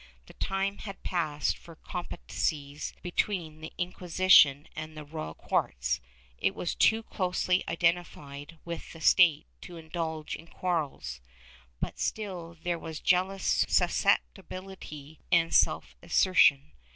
The time had passed for competencias between the Incjuisition and the royal courts; it was too closely identified with the State to indulge in quarrels, but still there was jealous susceptibility and self assertion.